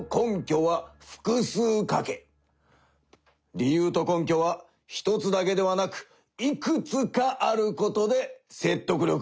理由と根拠は１つだけではなくいくつかあることでせっとく力がますのだ。